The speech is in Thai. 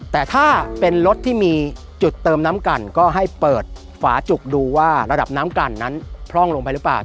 แต่ถ้าเป็นรถที่มีจุดเติมน้ำกันก็ให้เปิดฝาจุกดูว่าระดับน้ำกันนั้นพร่องลงไปหรือเปล่า